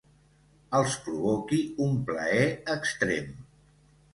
Els provoqui un plaer extrem.